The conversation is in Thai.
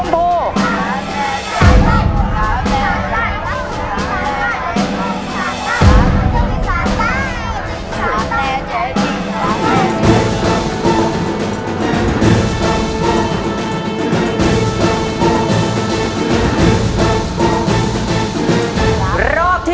ยิ่งเสียใจ